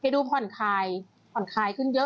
ดูผ่อนคลายผ่อนคลายขึ้นเยอะ